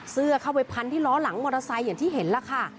เข้าไปพันที่ล้อหลังมอเตอร์ไซค์อย่างที่เห็นล่ะค่ะ